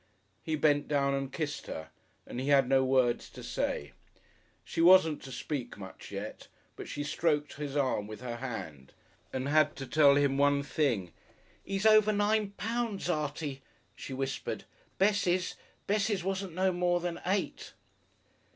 He bent down and kissed her, and he had no words to say. She wasn't to speak much yet, but she stroked his arm with her hand and had to tell him one thing: "He's over nine pounds, Artie," she whispered. "Bessie's Bessie's wasn't no more than eight."